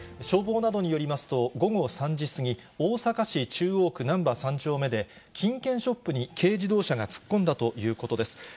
消防などによりますと、午後３時過ぎ、大阪市中央区なんば３丁目で、金券ショップに軽自動車が突っ込んだということです。